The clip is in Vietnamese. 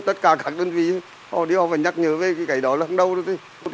tất cả các đơn vị họ đi họ phải nhắc nhớ về cái đó là không đâu